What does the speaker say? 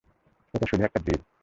এটা শুধু একটা ড্রিল।